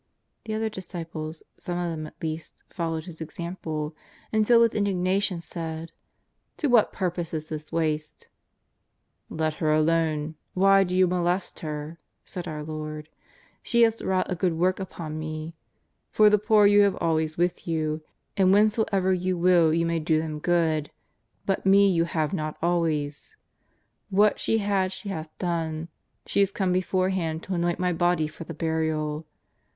The other disciples, some of them at least, followed his example, and, filled with indignation, said: " To what purpose is this waste ?'*" Let her alone, why do you molest her ?" said our Lord. " She hath wrought a good work upon Me. For the poor you have always with you, and whenso ever you will you may do them good, but Me you have not always. What she had she hath done; she is come beforehand to anoint My body for the burial.